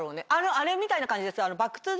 あれみたいな感じです。